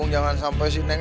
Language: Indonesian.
jangan sampai si neng neng